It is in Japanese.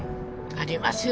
ありますよ。